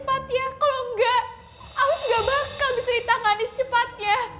kalau enggak aku enggak bakal bisa ditangani secepatnya